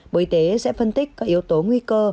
bộ y tế sẽ phân tích các yếu tố nguy cơ